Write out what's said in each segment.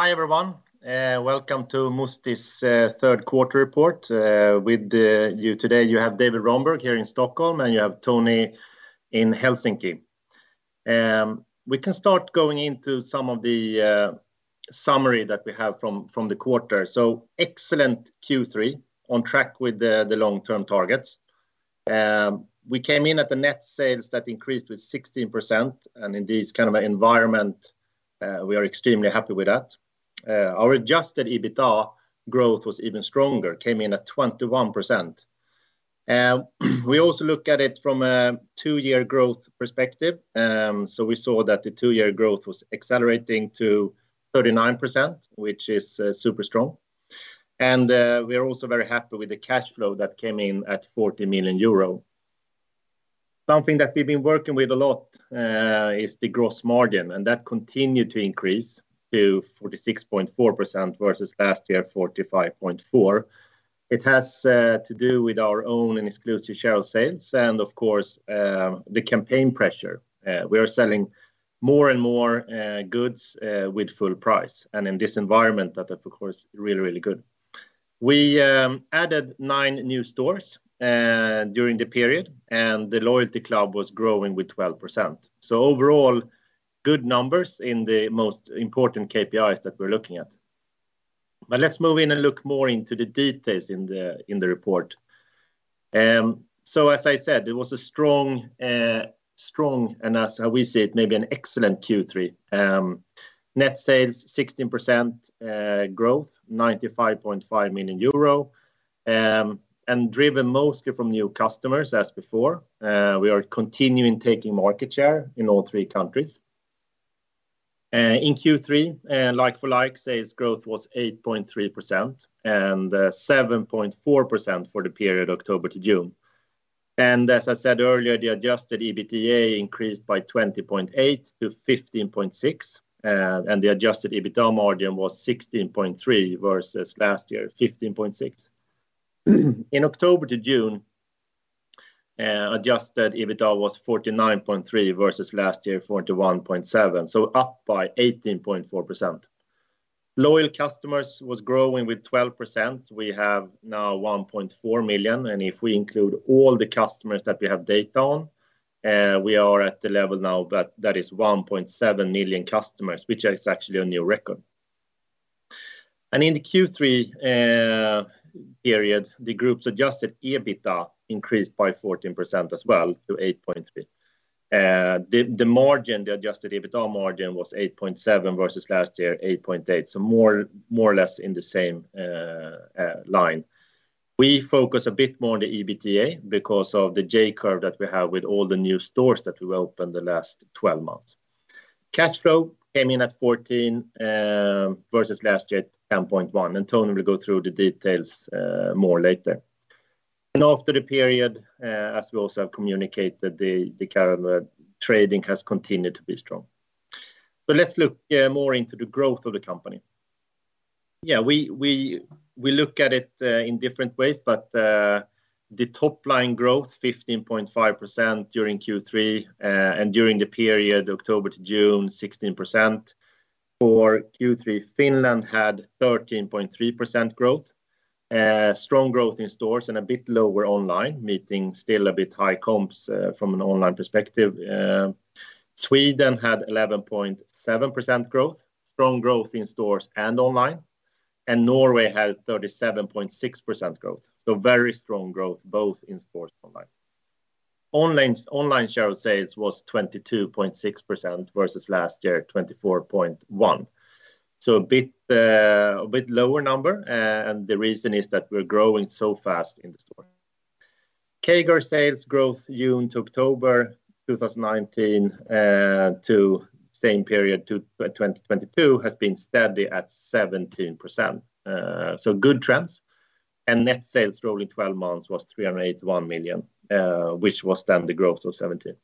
Hi, everyone, welcome to Musti's third quarter report. With you today, you have David Rönnberg here in Stockholm, and you have Toni Rannikko in Helsinki. We can start going into some of the summary that we have from the quarter. Excellent Q3 on track with the long-term targets. We came in at the net sales that increased with 16%, and in this kind of environment, we are extremely happy with that. Our adjusted EBITDA growth was even stronger, came in at 21%. We also look at it from a two-year growth perspective. We saw that the two-year growth was accelerating to 39%, which is super strong. We are also very happy with the cash flow that came in at 40 million euro. Something that we've been working with a lot is the gross margin, and that continued to increase to 46.4% versus last year, 45.4%. It has to do with our own and exclusive share of sales and of course the campaign pressure. We are selling more and more goods with full price. In this environment that of course really good. We added nine new stores during the period, and the loyalty club was growing with 12%. Overall, good numbers in the most important KPIs that we're looking at. Let's move in and look more into the details in the report. As I said, it was a strong and as we see it, maybe an excellent Q3. Net sales 16% growth 95.5 million euro, and driven mostly from new customers as before. We are continuing taking market share in all three countries. In Q3, like-for-like sales growth was 8.3% and 7.4% for the period October to June. As I said earlier, the adjusted EBITDA increased by 20.8% to 15.6 million, and the adjusted EBITDA margin was 16.3% versus last year 15.6%. In October to June, adjusted EBITDA was 49.3 million versus last year 41.7 million, so up by 18.4%. Loyal customers was growing with 12%. We have now 1.4 million, and if we include all the customers that we have data on, we are at the level now that is 1.7 million customers, which is actually a new record. In the Q3 period, the group's adjusted EBITDA increased by 14% as well to 8.3. The margin, the adjusted EBITDA margin was 8.7% versus last year 8.8%, so more or less in the same line. We focus a bit more on the EBITDA because of the J-curve that we have with all the new stores that we opened the last 12 months. Cash flow came in at 14 versus last year at 10.1, and Toni will go through the details more later. After the period, as we also have communicated, the current trading has continued to be strong. Let's look more into the growth of the company. Yeah, we look at it in different ways, but the top line growth 15.5% during Q3, and during the period October to June, 16%. For Q3, Finland had 13.3% growth, strong growth in stores and a bit lower online, meeting still a bit high comps from an online perspective. Sweden had 11.7% growth, strong growth in stores and online, and Norway had 37.6% growth, so very strong growth both in stores and online. Online share of sales was 22.6% versus last year at 24.1%, so a bit lower number, and the reason is that we're growing so fast in the store. CAGR sales growth June to October 2019 to same period 2022 has been steady at 17%, so good trends. Net sales rolling 12 months was 381 million, which was then the growth of 17%.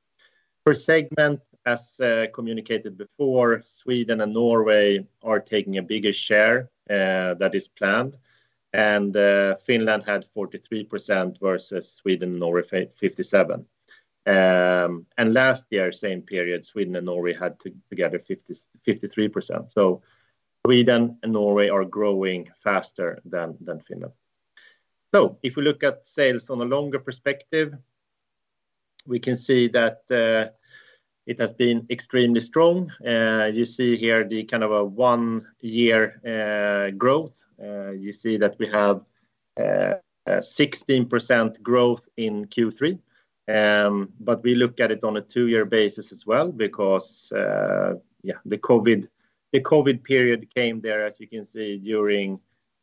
Per segment, as communicated before, Sweden and Norway are taking a bigger share, that is planned. Finland had 43% versus Sweden and Norway 57%. Last year, same period, Sweden and Norway had together 53%. Sweden and Norway are growing faster than Finland. If we look at sales from a longer perspective, we can see that it has been extremely strong. You see here the kind of a one year growth. You see that we have sixteen percent growth in Q3. But we look at it on a two-year basis as well because the COVID period came there, as you can see, during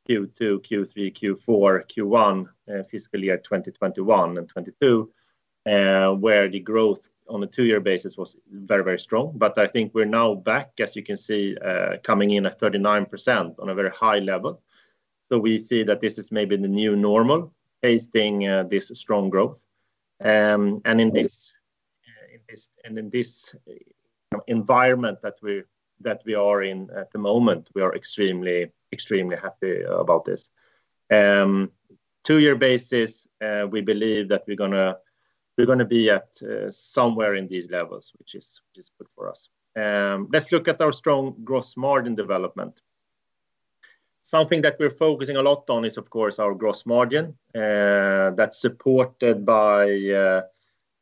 Q2, Q3, Q4, Q1, fiscal year 2021 and 2022, where the growth on a two-year basis was very strong. But I think we're now back, as you can see, coming in at 39% on a very high level. We see that this is maybe the new normal, pacing this strong growth. In this environment that we are in at the moment, we are extremely happy about this. On a two-year basis, we believe that we're gonna be at somewhere in these levels, which is good for us. Let's look at our strong gross margin development. Something that we're focusing a lot on is, of course, our gross margin. That's supported by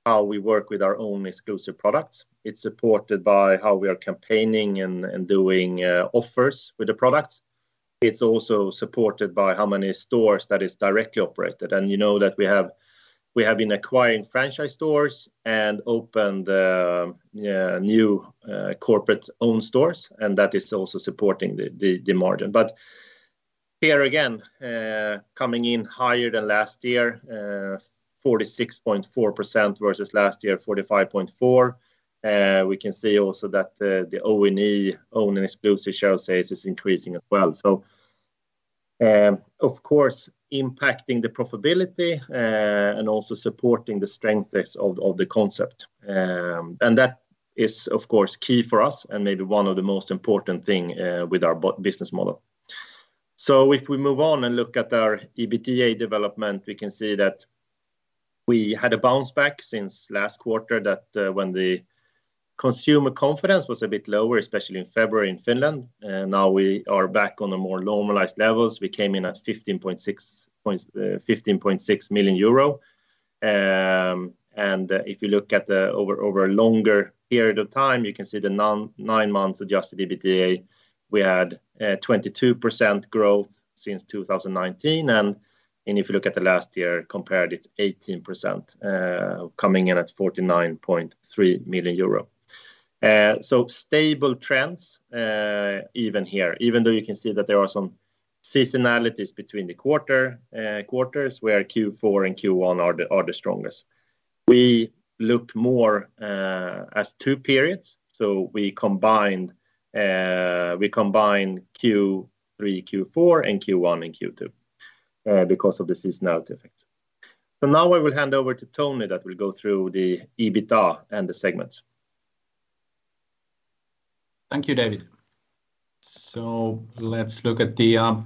how we work with our own exclusive products. It's supported by how we are campaigning and doing offers with the products. It's also supported by how many stores that is directly operated. You know that we have been acquiring franchise stores and opened new corporate-owned stores, and that is also supporting the margin. Here again, coming in higher than last year, 46.4% versus last year, 45.4%. We can see also that the O&E, owned and exclusive share of sales, is increasing as well. Of course, impacting the profitability, and also supporting the strengths of the concept. That is, of course, key for us and maybe one of the most important thing with our business model. If we move on and look at our EBITDA development, we can see that we had a bounce back since last quarter that, when the consumer confidence was a bit lower, especially in February in Finland, and now we are back on the more normalized levels. We came in at 15.6 million euro. If you look over a longer period of time, you can see the nine months adjusted EBITDA. We had 22% growth since 2019. If you look at the last year compared, it's 18%, coming in at 49.3 million euro. Stable trends, even here, even though you can see that there are some seasonalities between the quarters where Q4 and Q1 are the strongest. We look more as two periods, so we combine Q3, Q4, Q1, and Q2 because of the seasonality effect. Now I will hand over to Toni that will go through the EBITDA and the segments. Thank you, David. Let's look at the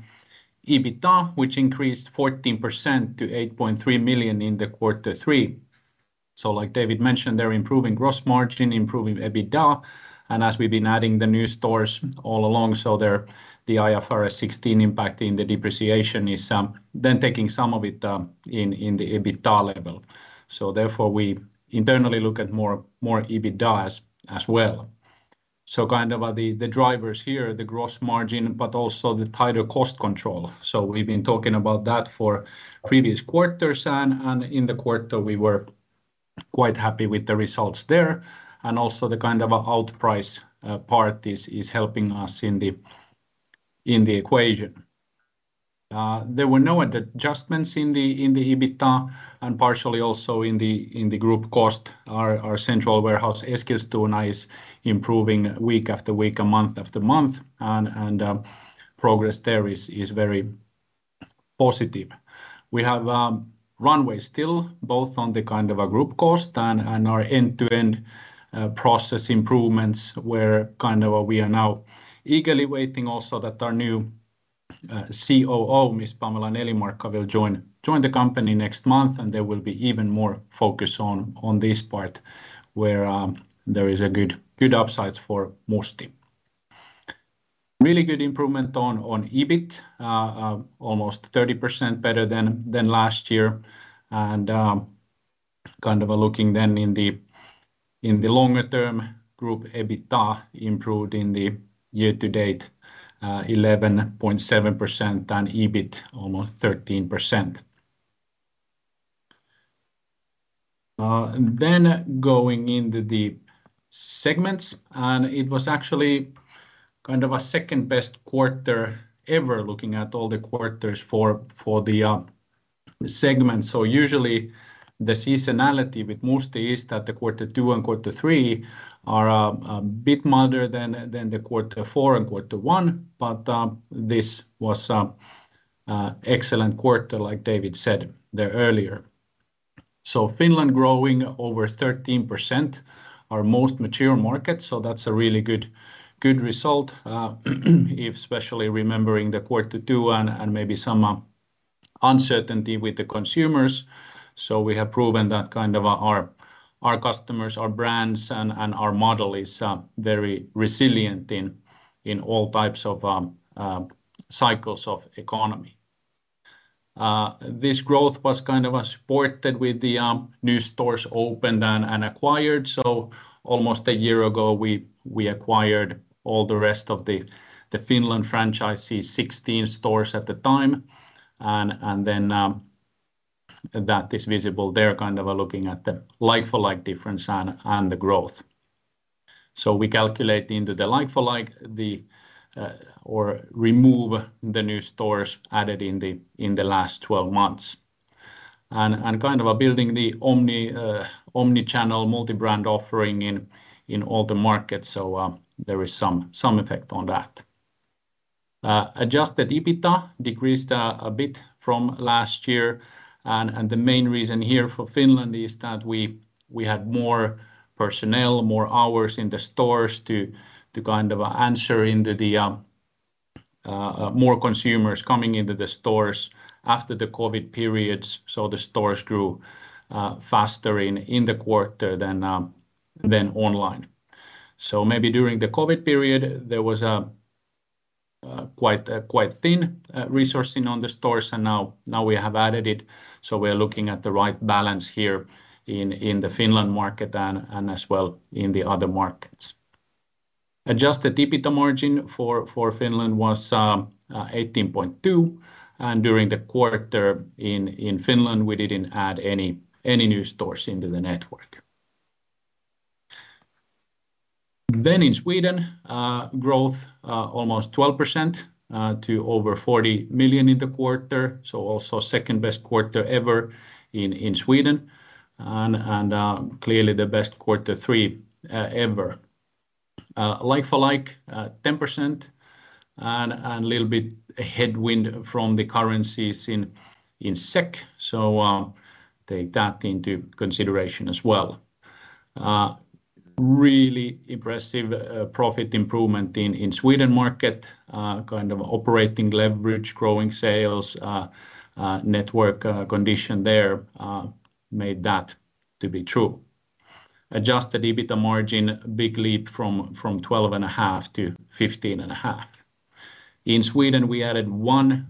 EBITDA, which increased 14% to 8.3 million in quarter three. Like David mentioned, they're improving gross margin, improving EBITDA. As we've been adding the new stores all along, the IFRS 16 impact in the depreciation is then taking some of it in the EBITDA level. Therefore, we internally look at more EBITDAs as well. Kind of the drivers here, the gross margin, but also the tighter cost control. We've been talking about that for previous quarters and in the quarter we were quite happy with the results there. Also the kind of outprice part is helping us in the equation. There were no adjustments in the EBITDA and partially also in the group cost. Our central warehouse, Eskilstuna, is improving week after week and month after month and progress there is very positive. We have runway still both on the kind of a group cost and our end-to-end process improvements where we are now eagerly waiting also that our new COO, Ms. Pamela Nelimarkka, will join the company next month, and there will be even more focus on this part where there is a good upsides for Musti. Really good improvement on EBIT. Almost 30% better than last year. Kind of looking then in the longer term, group EBITDA improved in the year-to-date 11.7%, and EBIT almost 13%. Then going into the segments, it was actually kind of a second-best quarter ever looking at all the quarters for the segments. Usually the seasonality with Musti is that quarter two and quarter three are a bit milder than quarter four and quarter one. This was excellent quarter, like David said there earlier. Finland growing over 13%, our most mature market. That's a really good result, especially if remembering the quarter two and maybe some uncertainty with the consumers. We have proven that kind of our customers, our brands, and our model is very resilient in all types of cycles of economy. This growth was kind of supported with the new stores opened and acquired. Almost a year ago, we acquired all the rest of the Finnish franchisees, 16 stores at the time. That is visible. They are kind of looking at the like-for-like difference and the growth. We calculate into the like-for-like the or remove the new stores added in the last 12 months. Kind of building the omnichannel multi-brand offering in all the markets. There is some effect on that. Adjusted EBITDA decreased a bit from last year. The main reason here for Finland is that we had more personnel, more hours in the stores to kind of answer to the more consumers coming into the stores after the COVID periods, so the stores grew faster in the quarter than online. Maybe during the COVID period there was a quite thin resourcing on the stores and now we have added it. We're looking at the right balance here in the Finland market and as well in the other markets. Adjusted EBITDA margin for Finland was 18.2%. During the quarter in Finland we didn't add any new stores into the network. In Sweden growth almost 12% to over 40 million in the quarter. Also second-best quarter ever in Sweden and clearly the best quarter three ever. Like-for-like 10% and little bit headwind from the currencies in SEK so take that into consideration as well. Really impressive profit improvement in Sweden market. Kind of operating leverage, growing sales, network condition there made that to be true. Adjusted EBITDA margin, big leap from 12.5% to 15.5%. In Sweden we added one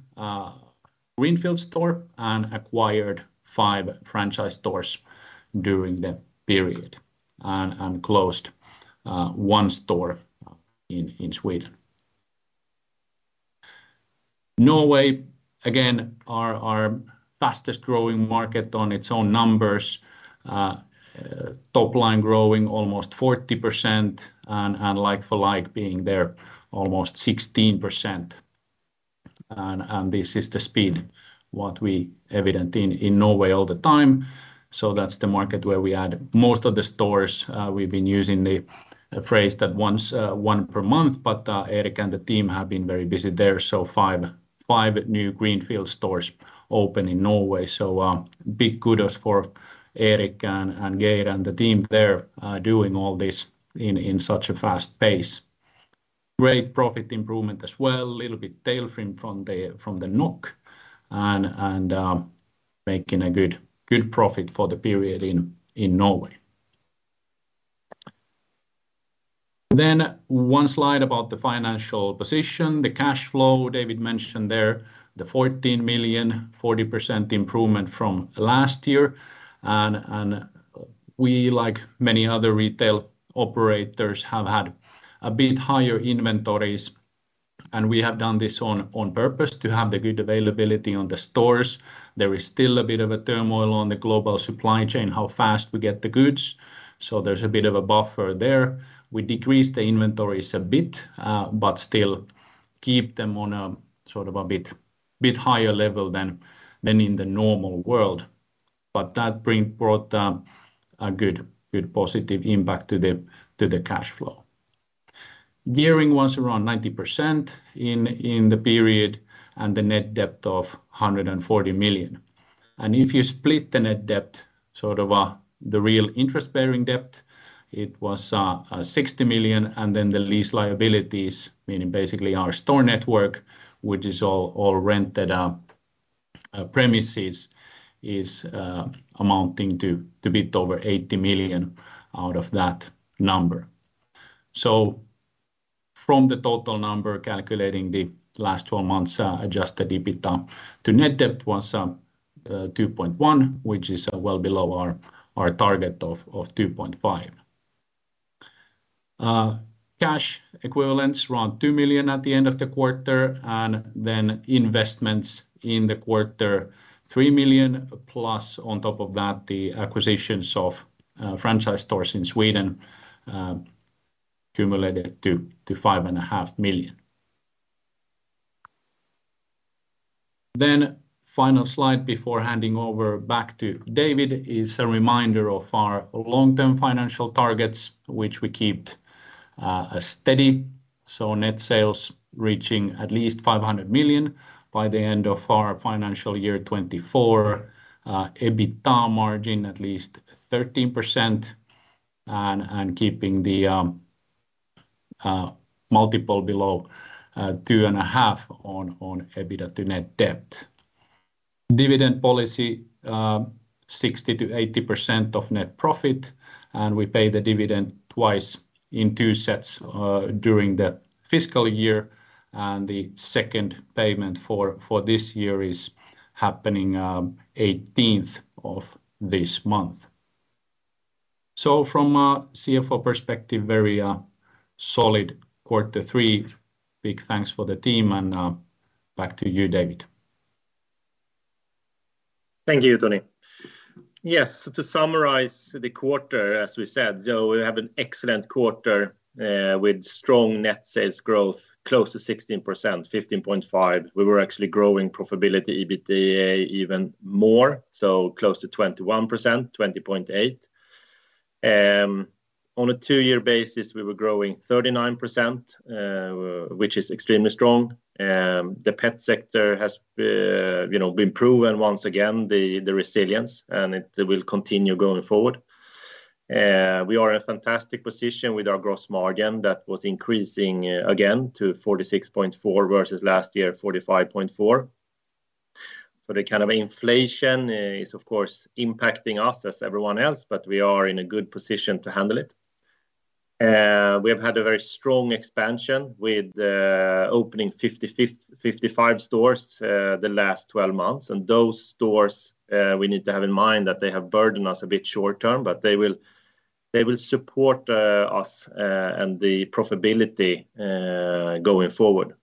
greenfield store and acquired five franchise stores during the period and closed one store in Sweden. Norway, again our fastest-growing market on its own numbers. Top line growing almost 40% and like-for-like being there almost 16%. This is the speed that we have in Norway all the time. That's the market where we add most of the stores. We've been using the phrase that one per month, but Erik and the team have been very busy there. Five new greenfield stores open in Norway. Big kudos for Erik and Geir and the team there doing all this in such a fast pace. Great profit improvement as well. Little bit tailwind from the NOK and making a good profit for the period in Norway. One slide about the financial position. The cash flow David mentioned there. The 14 million, 40% improvement from last year. We, like many other retail operators, have had a bit higher inventories. We have done this on purpose to have the good availability on the stores. There is still a bit of a turmoil on the global supply chain, how fast we get the goods, so there's a bit of a buffer there. We decrease the inventories a bit, but still keep them on a sort of a bit higher level than in the normal world. That brought a good positive impact to the cash flow. Gearing was around 90% in the period and the net debt of 140 million. If you split the net debt, sort of, the real interest-bearing debt, it was 60 million. The lease liabilities, meaning basically our store network, which is all rented premises is amounting to a bit over 80 million out of that number. From the total number calculating the last 12 months adjusted EBITDA to net debt was 2.1, which is well below our target of 2.5. Cash equivalents around 2 million at the end of the quarter and investments in the quarter 3 million plus on top of that the acquisitions of franchise stores in Sweden cumulated to 5.5 million. Final slide before handing over back to David is a reminder of our long-term financial targets, which we keep steady. Net sales reaching at least 500 million by the end of our financial year 2024. EBITDA margin at least 13% and keeping the multiple below 2.5 on EBITDA to net debt. Dividend policy 60%-80% of net profit, and we pay the dividend twice in two sets during the fiscal year. The second payment for this year is happening eighteenth of this month. From a CFO perspective, very solid quarter three. Big thanks for the team and back to you, David. Thank you, Toni. Yes, to summarize the quarter, as we said, you know, we have an excellent quarter, with strong net sales growth close to 16%, 15.5%. We were actually growing profitability EBITDA even more, so close to 21%, 20.8%. On a two-year basis we were growing 39%, which is extremely strong. The pet sector has, you know, been proven once again the resilience and it will continue going forward. We are in a fantastic position with our gross margin that was increasing again to 46.4 versus last year, 45.4. With the kind of inflation is of course impacting us as everyone else, but we are in a good position to handle it. We have had a very strong expansion with, opening 55 stores, the last 12 months. Those stores, we need to have in mind that they have burdened us a bit short term, but they will support us and the profitability going forward.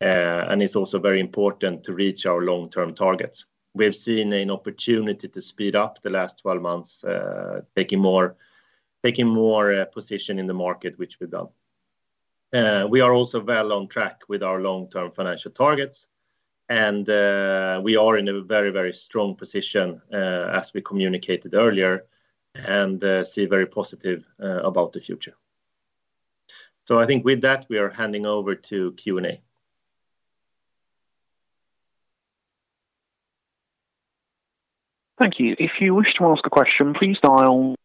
It's also very important to reach our long-term targets. We've seen an opportunity to speed up the last 12 months, taking more position in the market, which we've done. We are also well on track with our long-term financial targets, and we are in a very strong position as we communicated earlier, and see very positive about the future. I think with that, we are handing over to Q&A. Thank you. If you wish to ask a question, please dial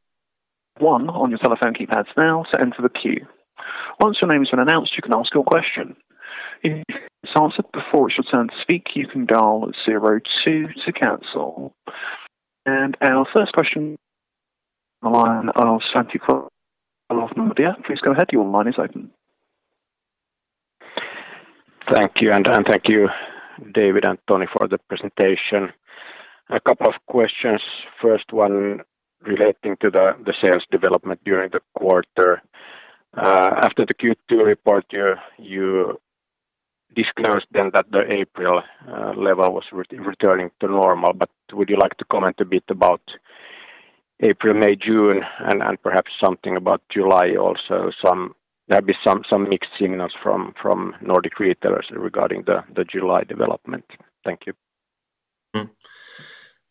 one on your telephone keypads now to enter the queue. Once your name has been announced, you can ask your question. If it's answered before it's your turn to speak, you can dial zero two to cancel. Our first question, line of Santi Krail of Nordea. Please go ahead. Your line is open. Thank you. Thank you, David and Toni, for the presentation. A couple of questions. First one relating to the sales development during the quarter. After the Q2 report, you disclosed then that the April level was returning to normal. Would you like to comment a bit about April, May, June, and perhaps something about July also? There have been some mixed signals from Nordic retailers regarding the July development. Thank you.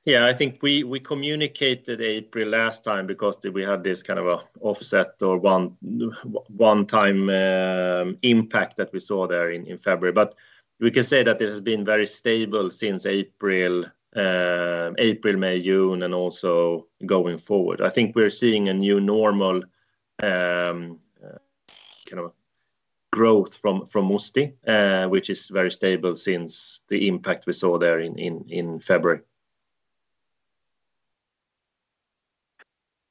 Yeah. I think we communicated April last time because we had this kind of an offset or one-time impact that we saw there in February. We can say that it has been very stable since April, May, June, and also going forward. I think we're seeing a new normal kind of growth from Musti, which is very stable since the impact we saw there in February.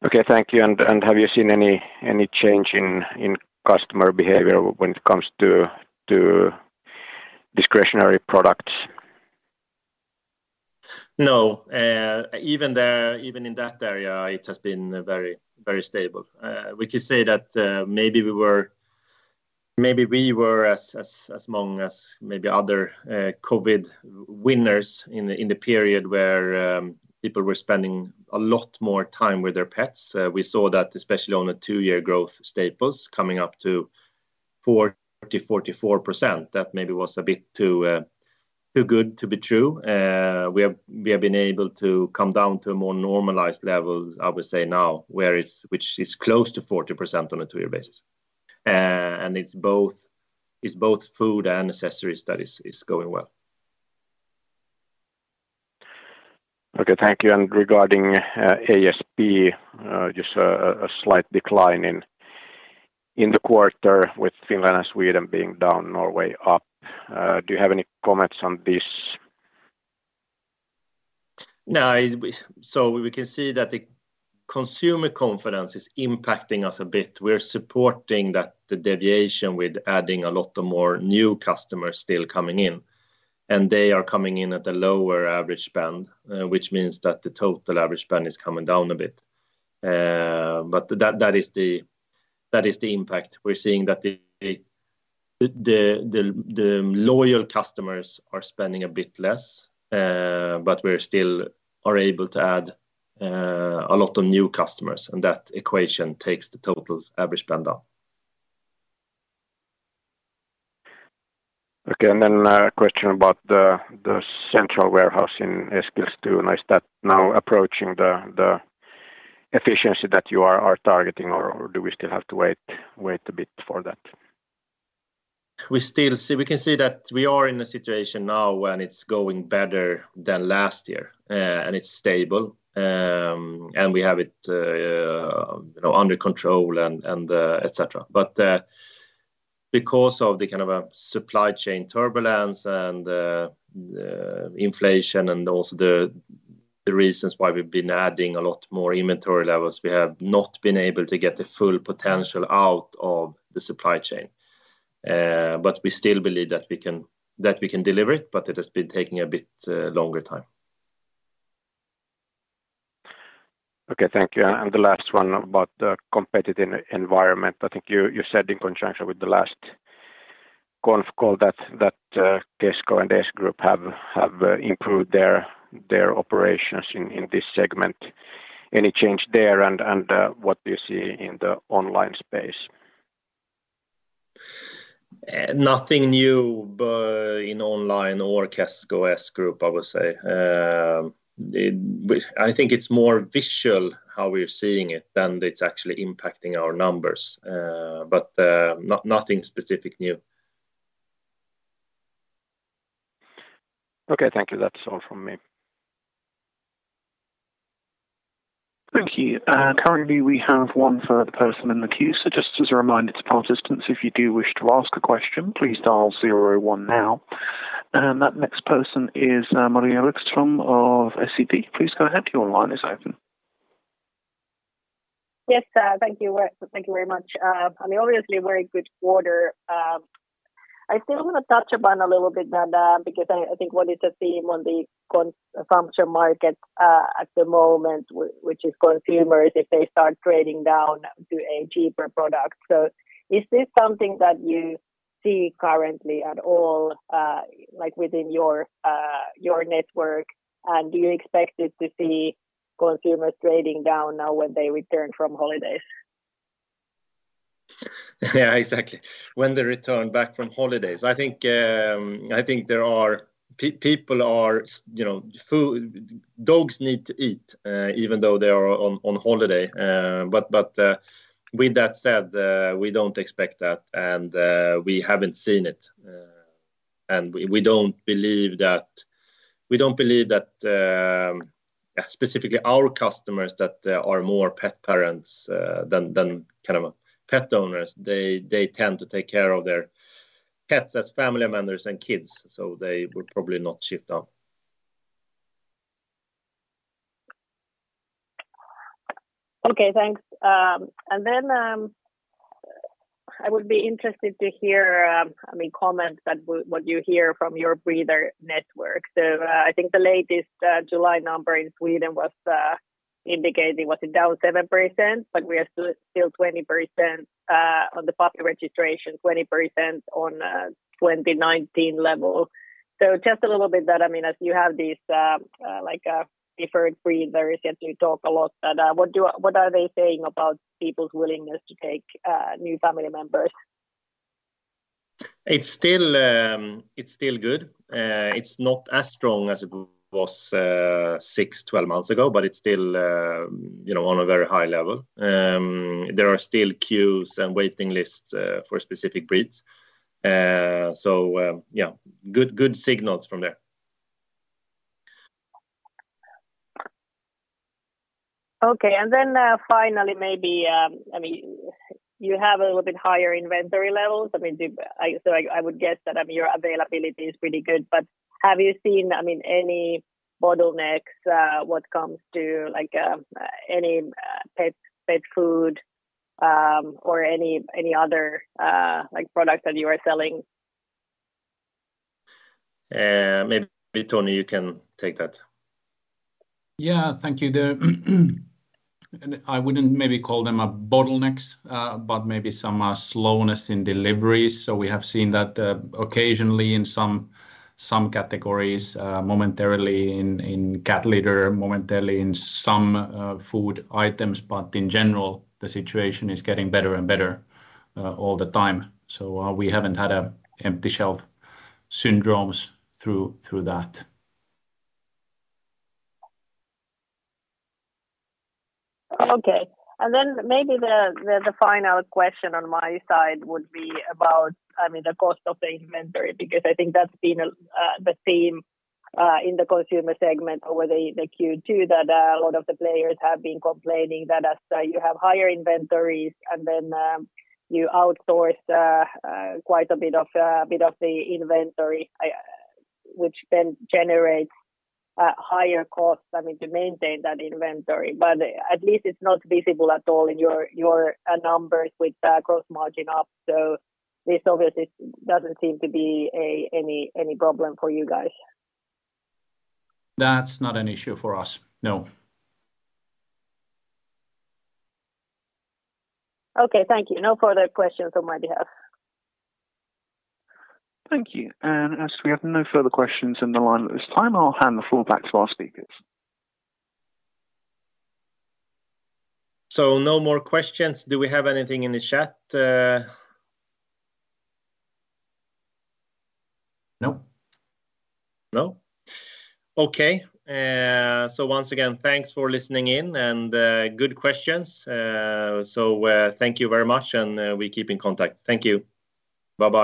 Okay. Thank you. Have you seen any change in customer behavior when it comes to discretionary products? No. Even there, even in that area, it has been very, very stable. We could say that maybe we were as long as maybe other COVID winners in the period where people were spending a lot more time with their pets. We saw that especially on a two-year growth staples coming up to 44%-44%. That maybe was a bit too good to be true. We have been able to come down to a more normalized level, I would say now, where it's which is close to 40% on a two-year basis. It's both food and accessories that is going well. Okay. Thank you. Regarding ASP, just a slight decline in the quarter with Finland and Sweden being down, Norway up. Do you have any comments on this? No. We can see that the consumer confidence is impacting us a bit. We're supporting that, the deviation with adding a lot of more new customers still coming in, and they are coming in at a lower average spend, which means that the total average spend is coming down a bit. But that is the impact. We're seeing that the loyal customers are spending a bit less, but we still are able to add a lot of new customers, and that equation takes the total average spend up. Okay. A question about the central warehouse in Eskilstuna. Is that now approaching the efficiency that you are targeting or do we still have to wait a bit for that? We can see that we are in a situation now when it's going better than last year, and it's stable. We have it, you know, under control and, etc. Because of the kind of a supply chain turbulence and inflation and also the reasons why we've been adding a lot more inventory levels, we have not been able to get the full potential out of the supply chain. We still believe that we can deliver it, but it has been taking a bit longer time. Okay. Thank you. The last one about the competitive environment. I think you said in conjunction with the last conf call that Kesko and S Group have improved their operations in this segment. Any change there and what do you see in the online space? Nothing new both in online or Kesko, S Group, I would say. I think it's more visible how we're seeing it than it's actually impacting our numbers. Nothing specific new. Okay, thank you. That's all from me. Thank you. Currently we have one-third person in the queue. Just as a reminder to participants, if you do wish to ask a question, please dial zero one now. That next person is, Maria Ekström of SEB. Please go ahead, your line is open. Yes, thank you. Thank you very much. I mean, obviously very good quarter. I still want to touch upon a little bit that, because I think what is the theme on the consumption market, at the moment which is consumers, if they start trading down to a cheaper product. Is this something that you see currently at all, like within your network? Do you expect it to see consumers trading down now when they return from holidays? Yeah, exactly. When they return back from holidays. I think there are people, you know. Dogs need to eat, even though they are on holiday. With that said, we don't expect that, and we haven't seen it. We don't believe that, specifically our customers that are more pet parents than kind of pet owners. They tend to take care of their pets as family members and kids, so they would probably not shift up. Okay, thanks. And then I would be interested to hear, I mean, comments that what you hear from your breeder network. I think the latest July number in Sweden was indicating, was it down 7%, but we are still 20% on the puppy registration, 20% on 2019 level. Just a little bit that I mean, as you have these like deferred breeders, since you talk a lot that what are they saying about people's willingness to take new family members? It's still good. It's not as strong as it was six, 12 months ago, but it's still, you know, on a very high level. There are still queues and waiting lists for specific breeds. Yeah, good signals from there. Okay. Finally maybe, I mean, you have a little bit higher inventory levels. I mean, I would guess that, I mean, your availability is pretty good. Have you seen, I mean, any bottlenecks, what comes to like, any pet food, or any other, like products that you are selling? Maybe Toni, you can take that. Yeah, thank you there. I wouldn't maybe call them bottlenecks, but maybe some slowness in deliveries. We have seen that occasionally in some categories, momentarily in cat litter, momentarily in some food items. But in general, the situation is getting better and better all the time. We haven't had an empty shelf syndrome through that. Okay. Maybe the final question on my side would be about, I mean, the cost of the inventory, because I think that's been the theme in the consumer segment over the Q2 that a lot of the players have been complaining that as you have higher inventories and then you outsource quite a bit of the inventory, which then generates higher costs, I mean, to maintain that inventory. But at least it's not visible at all in your numbers with the gross margin up. This obviously doesn't seem to be any problem for you guys. That's not an issue for us, no. Okay, thank you. No further questions on my behalf. Thank you. As we have no further questions in the line at this time, I'll hand the floor back to our speakers. No more questions. Do we have anything in the chat? No. No? Okay. Once again, thanks for listening in and good questions. Thank you very much and we keep in contact. Thank you. Bye-bye.